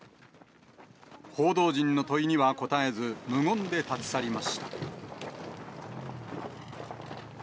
報道陣の問いには答えず、無言で立ち去りました。